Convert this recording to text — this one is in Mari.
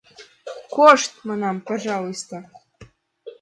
— Кошт, манам, пожалуйста!